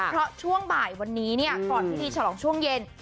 เพราะช่วงบ่ายวันนี้ก่อนพิธีฉลองช่วงเย็น